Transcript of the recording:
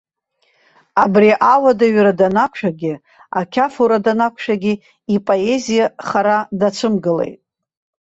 Абри ауадаҩра данақәшәагьы, ақьафура данақәшәагьы, ипоезиа хара дацәымгылеит.